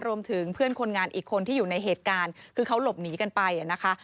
รวมถึงเพื่อนคนงานอีกคนที่อยู่ในเหตุการณ์คือเขาหลบหนีกันไปนะคะ